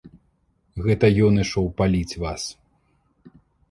Гэта ён ішоў паліць вас.